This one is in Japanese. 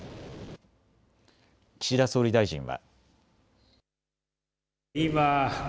岸田総理大臣は。